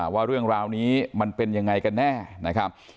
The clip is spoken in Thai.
ว่าเรื่องราวนี้มันเป็นยังไงกันแน่นะครับ